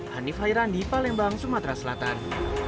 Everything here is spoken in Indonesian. hanif hairandi palembang sumatera selatan